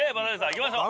いきましょう！